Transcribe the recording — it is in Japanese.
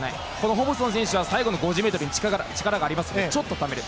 ホブソン選手は最後の５０ｍで力があるのでちょっとためる。